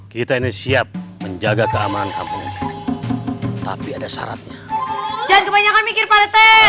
kita ini siap menjaga keamanan kampung tapi ada syaratnya jangan kebanyakan mikir partai